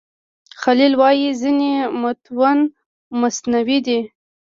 خلیل وايي ځینې متون مصنوعي دي.